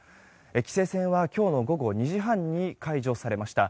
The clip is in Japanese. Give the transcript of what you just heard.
規制線は今日の午後２時半に解除されました。